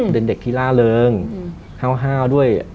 เป็นเด็กที่ล่าเริงห้าวด้วย